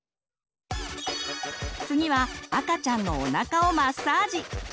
次は赤ちゃんのおなかをマッサージ！